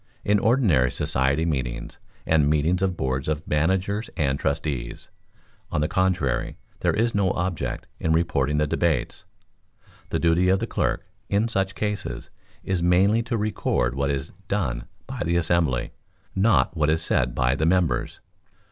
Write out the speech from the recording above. In ordinary society meetings and meetings of Boards of Managers and Trustees, on the contrary, there is no object in reporting the debates; the duty of the clerk, in such cases, is mainly to record what is "done" by the assembly, not what is said by the members.